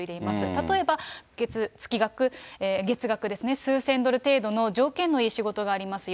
例えば、月額数千ドル程度の条件のいい仕事がありますよ。